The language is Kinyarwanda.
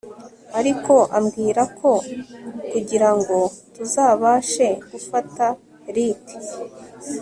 ariko ambwira ko kugira ngo tuzabashe gufata Ricky